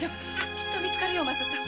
きっと見つかるよお政さん。